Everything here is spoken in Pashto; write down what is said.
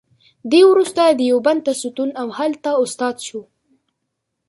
دی وروسته دیوبند ته ستون او هلته استاد شو.